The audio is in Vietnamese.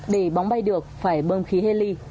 để bong bay được phải bơm khí heli